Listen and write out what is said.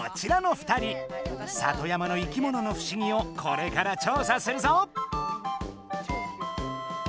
里山の生きもののフシギをこれから調査するぞ。